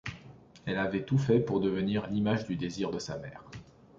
Elle avait tout fait pour devenir l’image du désir de sa mère.